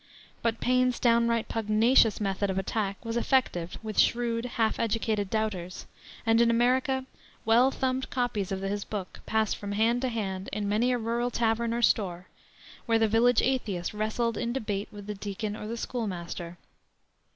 But Paine's downright pugnacious method of attack was effective with shrewd, half educated doubters, and in America well thumbed copies of his book passed from hand to hand in many a rural tavern or store, where the village atheist wrestled in debate with the deacon or the school master.